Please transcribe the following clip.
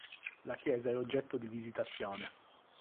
La chiesa è oggetto di visitazione.